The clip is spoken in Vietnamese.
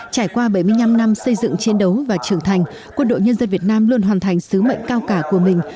trải qua bảy mươi năm năm xây dựng chiến đấu và trưởng thành quân đội nhân dân việt nam luôn hoàn thành sứ mệnh cao cả của mình